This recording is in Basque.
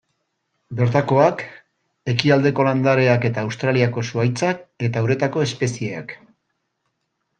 Bertakoak, ekialdeko landareak eta Australiako zuhaitzak, eta uretako espezieak.